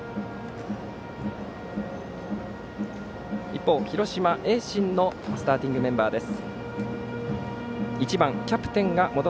一方、広島・盈進のスターティングメンバーです。